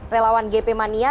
relawan gp mania